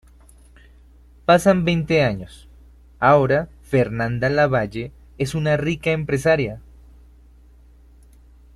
Pasan veinte años; ahora Fernanda LaValle es una rica empresaria.